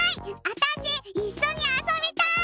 あたしいっしょにあそびたい！